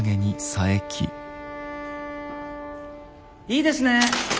いいですねえ。